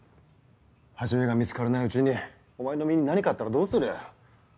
始が見つからないうちにお前の身に何かあったらどうする？